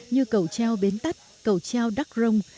như cầu treo bến tắt cầu treo đắc rông